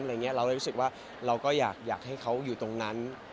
เราเลยรู้สึกว่าเราก็อยากให้เขาอยู่ตรงนั้น